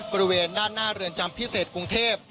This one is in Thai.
บริเวณด้านหน้าเรือนจำพิเศษกรุงเทพ